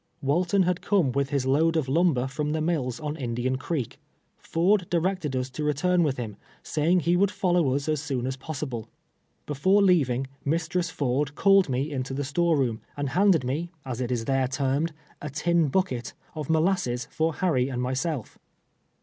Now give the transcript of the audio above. Walton had come M ith his load of lumber from the mills on Indian Creek. Ford directed us to return Avith him, saying he would follow us as soon as possible. I>efore leaving, ]\Iistress Ford called me into the store room, and handed me, as it is there termed, a tin bucket of molasses for Harry and myself.